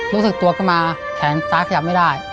รู้สึกตัวขึ้นมาแขนซ้ายขยับไม่ได้